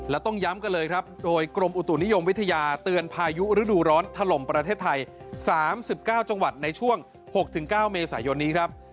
และต้องย้ำกันเลยครับโดยกรมอุตุนิยมวิทยาเตือนพายุฤดูร้อนถล่มประเทศไทย๓๙จังหวัดในช่วง๖๙เมษายนนี้ครับ